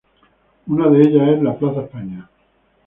Una de ellas es la Plaza España.